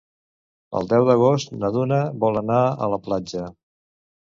El deu d'agost na Duna vol anar a la platja.